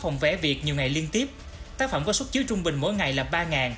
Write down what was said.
phòng vé việt nhiều ngày liên tiếp tác phẩm có xuất chiếu trung bình mỗi ngày là ba